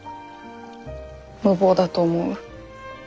無謀だと思う？